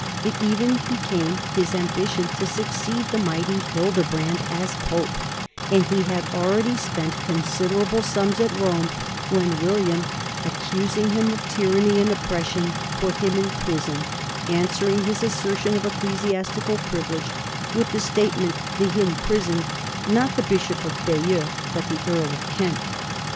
It even became his ambition to succeed the mighty Hildebrand as Pope, and he had already spent considerable sums at Rome when William, accusing NORMAN LIFE AND CULTURE 167 him of tyranny and oppression, put him in prison, an swering his assertion of ecclesiastical privilege with the statement that he imprisoned, not the bishop of Bayeux, but the earl of Kent.